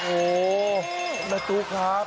โอ้โหแม่ตุ๊กครับ